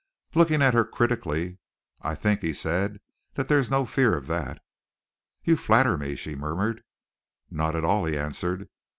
Looking at her critically, "I think," he said, "that there is no fear of that." "You flatter me," she murmured. "Not at all," he answered.